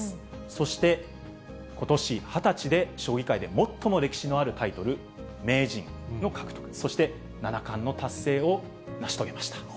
そしてことし２０歳で将棋界で最も歴史のあるタイトル、名人の獲得、そして七冠の達成を成し遂げました。